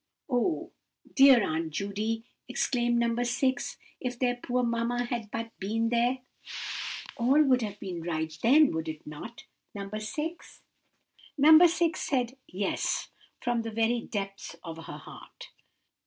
"Oh, dear Aunt Judy," exclaimed No. 6, "if their poor mamma had but been there!" "All would have been right then, would it not, No. 6?" No. 6 said "Yes" from the very depths of her heart.